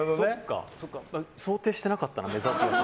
想定してなかったな目指す場所。